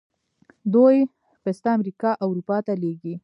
دوی پسته امریکا او اروپا ته لیږي.